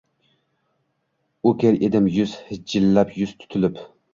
O’kir edim yuz hijjalab, yuz tutilib